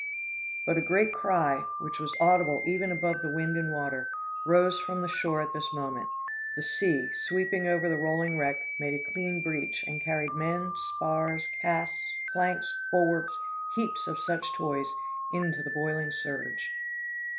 "But a great cry, which was audible even above the wind [Illustration: HOVELLERS RELIEVING A VESSEL.] and water, rose from the shore at this moment; the sea, sweeping over the rolling wreck, made a clean breach, and carried men, spars, casks, planks, bulwarks heaps of such toys into the boiling surge.